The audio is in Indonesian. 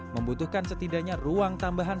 membutuhkan setidaknya ruang parkir yang telah ditepati